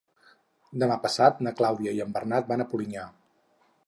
Demà passat na Clàudia i en Bernat van a Polinyà.